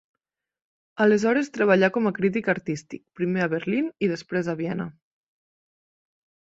Aleshores treballà com a crític artístic, primer a Berlín i després a Viena.